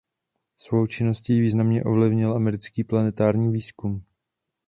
Svou činností významně ovlivnil americký planetární výzkum.